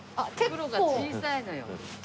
袋が小さいのよ。